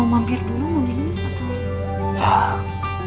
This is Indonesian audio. mau mampir dulu om irvan